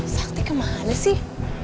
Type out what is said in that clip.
sakti kemana sih